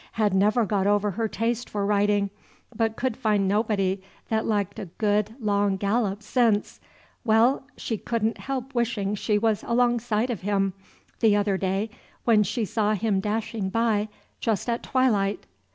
Had never got over her taste for riding, but could find nobody that liked a good long gallop since well she could n't help wishing she was alongside of him, the other day, when she saw him dashing by, just at twilight.